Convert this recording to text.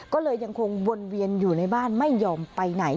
ก็เลยยังคงวนเวียนอยู่ในบ้านไม่ยอมไปไหน